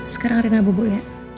sekarang rena bobo ya